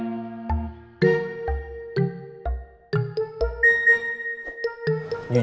rauh ini parah banget sih